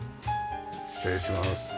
失礼します。